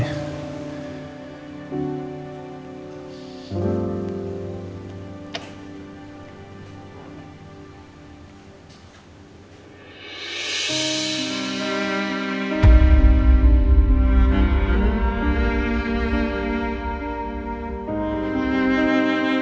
kenapa andin udah tidur sih